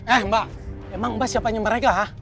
eh mbak emang mbak siapanya mereka